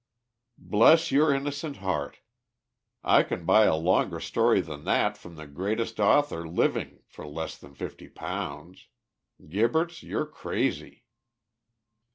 "Bless your innocent heart, I can buy a longer story than that from the greatest author living for less than £50. Gibberts, you're crazy."